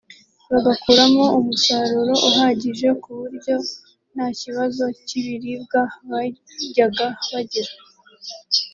bagakuramo umusaruro uhagije ku buryo nta kibazo cy’ibiribwa bajyaga bagira